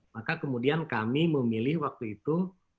maka kemudian kami memilih waktu itu